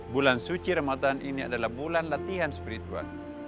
bulan suci ramadan ini adalah bulan latihan spiritual